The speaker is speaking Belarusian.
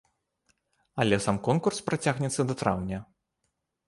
Але сам конкурс працягнецца да траўня.